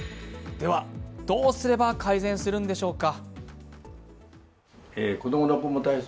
では、どうすれば改善するのでしょうか。